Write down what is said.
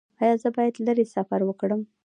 ایا زه باید لرې سفر وکړم؟